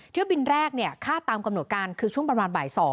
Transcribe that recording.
เที่ยวบินแรกค่าตามกำหนดการคือช่วงประมาณบ่าย๒